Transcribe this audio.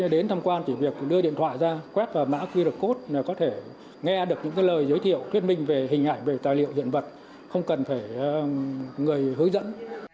khách đến tham quan chỉ việc đưa điện thoại ra quét vào mã quy được cốt có thể nghe được những lời giới thiệu thuyết minh về hình ảnh về tài liệu hiện vật không cần phải người hứa dẫn